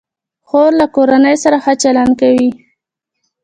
خور له کورنۍ سره ښه چلند کوي.